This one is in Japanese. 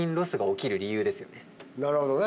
なるほどね！